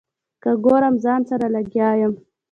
که ګورم ځان سره لګیا یم.